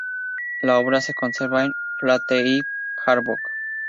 La obra se conserva en "Flateyjarbók".